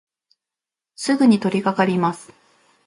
すぐにとりかかります。